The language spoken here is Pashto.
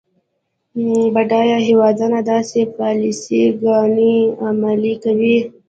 بډایه هیوادونه داسې پالیسي ګانې عملي کوي.